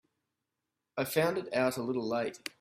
I found it out a little late.